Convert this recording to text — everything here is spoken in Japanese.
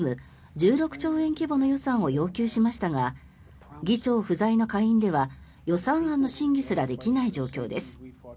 １６兆円規模の予算を要求しましたが議長不在の下院では予算案の審議すらできない状況です。